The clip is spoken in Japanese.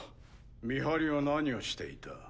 見張りは何をしていた？